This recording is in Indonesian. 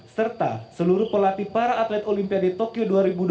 serta seluruh pelatih para atlet olimpiade tokyo dua ribu dua puluh